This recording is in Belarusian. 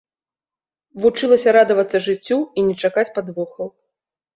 Вучылася радавацца жыццю і не чакаць падвохаў.